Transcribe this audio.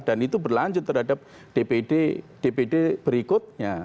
dan itu berlanjut terhadap dpd berikutnya